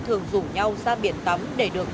thường rủ nhau ra biển tắm để được